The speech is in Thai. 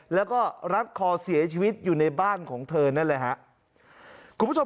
แล้วก็รับคอเสียชีวิตอยู่ในบ้านของเธอนั่น